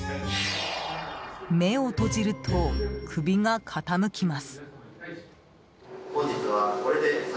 目を閉じると、首が傾きます。